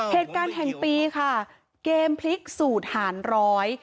เหตุการณ์แห่งปีค่ะเกมพลิกสูตรหารร้อย